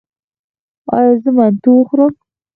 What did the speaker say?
ایا زه منتو وخورم؟